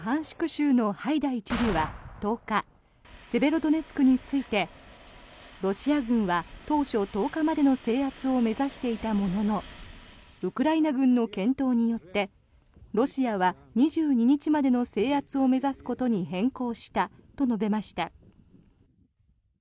州のハイダイ知事は１０日セベロドネツクについてロシア軍は当初、１０日までの制圧を目指していたもののウクライナ軍の健闘によってロシアは２２日までの制圧を目指すことに変更したと述べました。